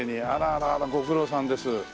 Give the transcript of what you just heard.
あらあらご苦労さんです。